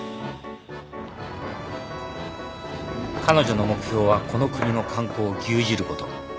彼女の目標はこの国の観光を牛耳ること。